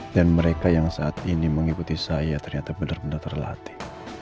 dan mereka yang saat ini mengikuti saya ternyata benar benar terlatih